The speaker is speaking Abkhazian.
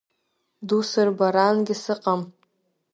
Дусырбарангьы сыҟам…